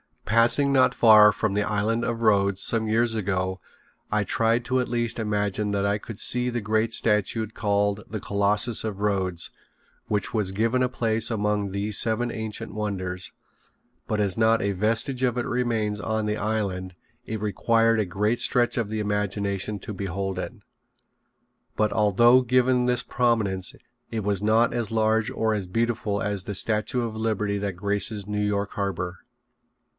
Passing not far from the Island of Rhodes some years ago I tried to at least imagine that I could see the great statue called the Colossus of Rhodes which was given a place among these seven ancient wonders, but as not a vestige of it remains on the island it required a great stretch of the imagination to behold it. But although given this prominence it was not as large or as beautiful as the Statute of Liberty that graces New York harbor.